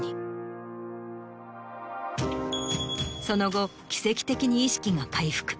その後奇跡的に意識が回復。